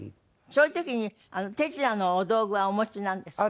そういう時に手品のお道具はお持ちなんですか？